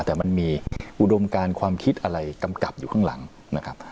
แต่มันมีอุดมการความคิดอะไรกำกับอยู่ข้างหลังนะครับ